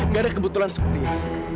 gak ada kebetulan seperti ini